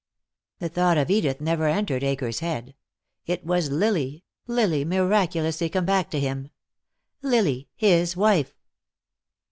The thought of Edith never entered Akers' head. It was Lily, Lily miraculously come back to him. Lily, his wife.